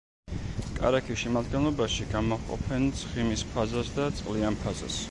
კარაქის შემადგენლობაში გამოჰყოფენ ცხიმის ფაზას და წყლიან ფაზას.